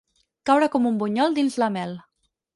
Caure com un bunyol dins la mel.